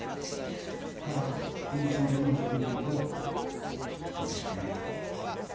ただ、今場所の照ノ富士を見ていると、どうでしょうね。